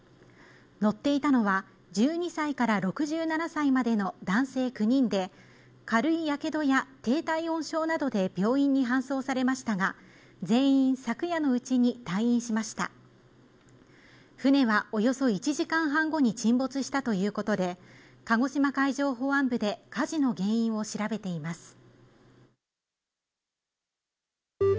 乗っていたのは１２歳から６７歳までの男性９人で軽いヤケドや低体温症などで病院に搬送されましたが全員昨夜のうちに退院しました船はおよそ１時間半後に沈没したということで鹿児島海上保安部で火事の原因を調べています